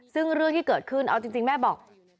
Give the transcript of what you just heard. ซึ่งเรื่องที่เกิดขึ้นเอาจริงแม่บอก